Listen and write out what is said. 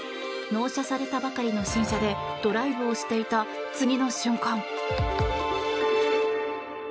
納車されたばかりの新車でドライブをしていた次の瞬間。